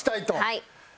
はい。